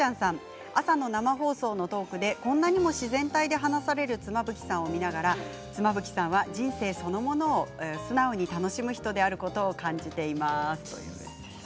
朝の生放送のトークでこんなにも自然体で話される妻夫木さんを見ながら妻夫木さんは人生そのものを素直に楽しむ人であることを感じています。